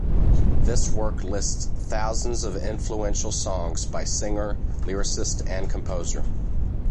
This work lists thousands of influential songs by singer, lyricist and composer.